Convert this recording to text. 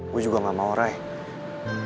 gue juga gak mau reh